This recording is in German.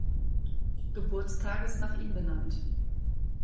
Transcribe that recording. Geburtstages nach ihm benannt.